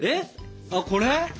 あっこれ？